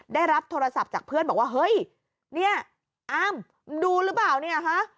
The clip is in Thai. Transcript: ได้รับโทรศัพท์จากเพื่อนบอกว่าเฮ้ยเนี่ยอามดูหรือเปล่าเนี่ยฮะ